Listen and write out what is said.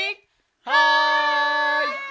はい！